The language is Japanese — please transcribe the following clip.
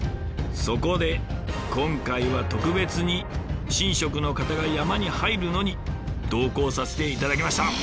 そこで今回は特別に神職の方が山に入るのに同行させて頂きました。